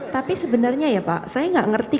tapi sebenarnya ya pak saya nggak ngerti